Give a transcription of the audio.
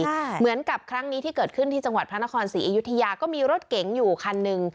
เหมือนกับครั้งนี้ที่เกิดขึ้นที่จังหวัดพระนครศรีอยุธยาก็มีรถเก๋งอยู่คันหนึ่ง